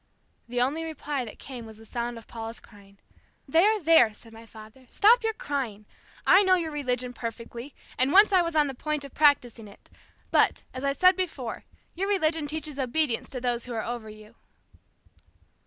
The only reply that came was the sound of Paula's crying. "There, there," said my father, "Stop your crying. I know your religion perfectly, and once I was on the point of practising it, but, as I said before, your religion teaches obedience to those who are over you."